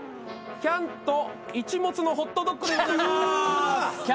キャンとイチモツのホットドッグでございます。